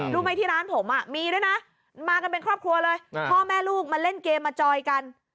รู้ไหมที่ร้านผมมีด้วยนะมากันเป็นครอบครัวเลยพ่อแม่ลูกมาเล่นเกมมาจอยกัน